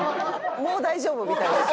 もう大丈夫みたいです。